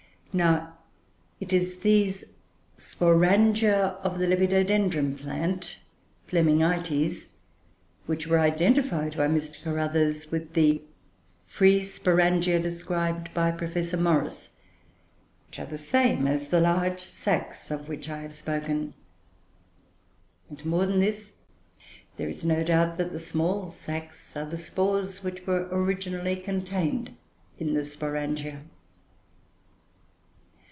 Now, it is these sporangia of the Lepidodendroid plant Flemingites which were identified by Mr. Carruthers with the free sporangia described by Professor Morris, which are the same as the large sacs of which I have spoken. And, more than this, there is no doubt that the small sacs are the spores, which were originally contained in the sporangia.